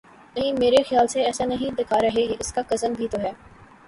نہیں میرے خیال سے ایسا نہیں دکھا رہے یہ اس کا کزن بھی تو ہے